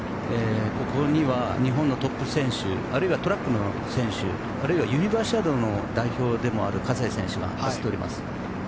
ここには日本のトップ選手あるいはトラックの代表選手ユニバーシアードの代表でもある葛西選手が走っております。